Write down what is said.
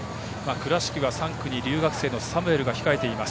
倉敷は３区に留学生のサムエルが控えています。